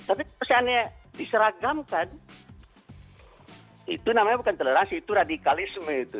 tapi seandainya diseragamkan itu namanya bukan toleransi itu radikalisme itu